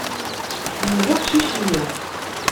Tḥemmel aqcic-nni.